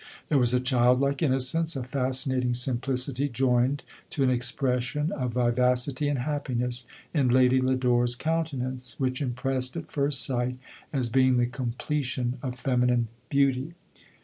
There was a child like innocence, a fascinating simplicity, joined to an expression of vivacity and happi ness, in Lady Lodore's countenance, which im pressed at first sight, as being the completion of feminine beauty.